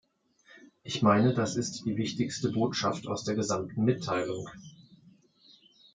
Ich meine, das ist die wichtigste Botschaft aus der gesamten Mitteilung.